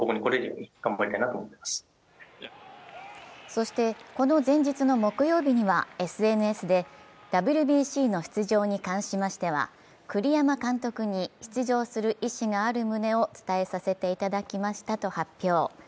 そして、この前日の木曜日にはＳＮＳでＷＢＣの出場に関してましては栗山監督に出場する意思があるとお伝えしましたと発表。